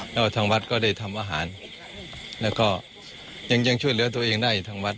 แล้วก็ทางวัดก็ได้ทำอาหารแล้วก็ยังช่วยเหลือตัวเองได้อยู่ทางวัด